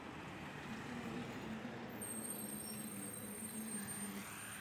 Esta vez, entran parejas de algunos de los realities de la cadena.